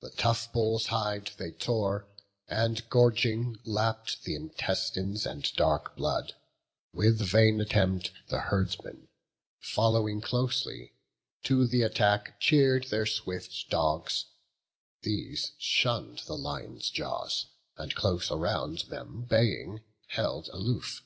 The tough bull's hide they tore, and gorging lapp'd Th' intestines and dark blood; with vain attempt The herdsmen following closely, to the attack Cheer'd their swift dogs; these shunn'd the lions' jaws, And close around them baying, held aloof.